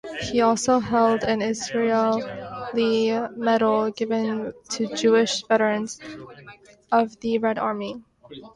He also held an Israeli medal given to Jewish veterans of the Red Army.